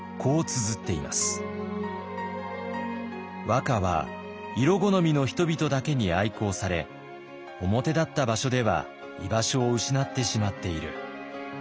和歌は色好みの人々だけに愛好され表立った場所では居場所を失ってしまっている。